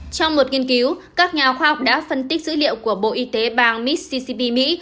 trong một nghiên cứu các nhà khoa học đã phân tích dữ liệu của bộ y tế bang missicp mỹ